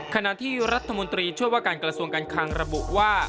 ขณะที่รัฐมนตรีช่วยว่าการกระทรวงการคังระบุว่า